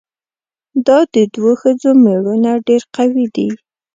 دا د دوو ښځو ميړونه ډېر قوي دي؟